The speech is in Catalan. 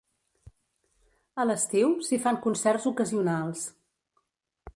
A l'estiu s'hi fan concerts ocasionals.